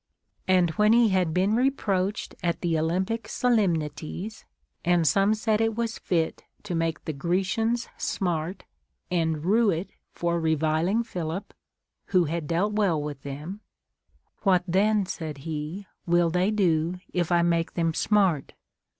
And Λvhen he had been reproached at the CONCERNING THE CUllE OF ANGER. 45 Olympic solemnities, and some said it was fit to make the Grecians smart and rue it for reviling Philip, who had dealt well with them, What then, said he, Λνϋΐ they do, if I make them smart